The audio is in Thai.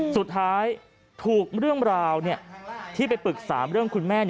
สุดท้ายถูกเรื่องราวที่ไปปรึกษาเรื่องคุณแม่